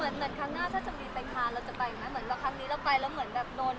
เหมือนครั้งหน้าถ้าจะมีเป็นคานเราจะไปอย่างไร